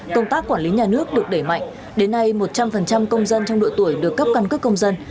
công tác quản lý nhà nước được đẩy mạnh đến nay một trăm linh công dân trong độ tuổi được cấp căn cước công dân